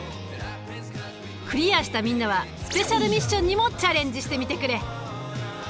クリアしたみんなはスペシャルミッションにもチャレンジしてみてくれ。